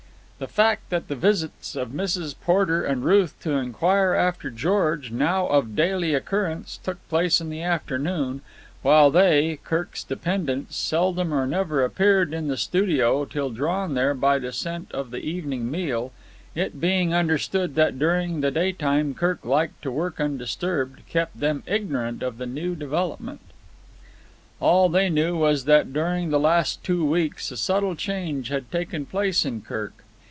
The fact that the visits of Mrs. Porter and Ruth to inquire after George, now of daily occurrence, took place in the afternoon, while they, Kirk's dependents, seldom or never appeared in the studio till drawn there by the scent of the evening meal, it being understood that during the daytime Kirk liked to work undisturbed, kept them ignorant of the new development. All they knew was that during the last two weeks a subtle change had taken place in Kirk.